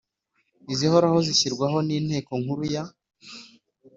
izihoraho zishyirwaho n Inteko Nkuru ya